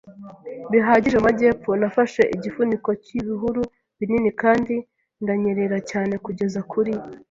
bihagije mu majyepfo, nafashe igifuniko cy'ibihuru binini kandi ndanyerera cyane kugeza kuri